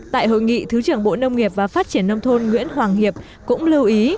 tại hội nghị thứ trưởng bộ nông nghiệp và phát triển nông thôn nguyễn hoàng hiệp cũng lưu ý